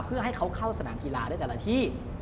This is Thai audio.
เพื่อให้เขาเข้าสนามกีฬาได้แต่ละที่